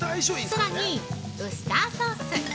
さらにウスターソース。